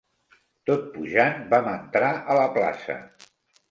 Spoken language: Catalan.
Tot pujant, vam entrar a la plaça